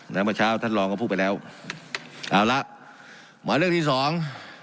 เมื่อเช้าท่านรองก็พูดไปแล้วเอาละมาเรื่องที่สอง